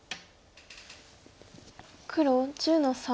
黒１０の三。